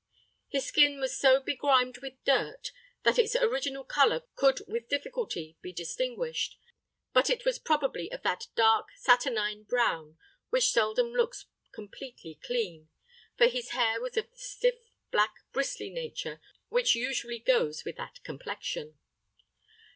His skin was so begrimed with dirt, that its original color could with difficulty be distinguished; but it was probably of that dark, saturnine brown, which seldom looks completely clean; for his hair was of the stiff, black, bristly nature which usually goes with that complexion.